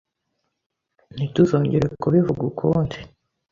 Ntituzongere kubivuga ukundi.